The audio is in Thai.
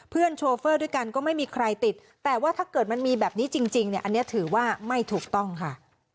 โชเฟอร์ด้วยกันก็ไม่มีใครติดแต่ว่าถ้าเกิดมันมีแบบนี้จริงเนี่ยอันนี้ถือว่าไม่ถูกต้องค่ะ